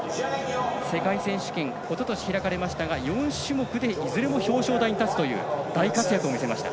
世界選手権おととし開かれましたが４種目でいずれも表彰台に立つという大活躍を見せました。